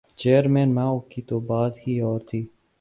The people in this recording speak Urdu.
چیئرمین ماؤ کی تو بات ہی اور تھی۔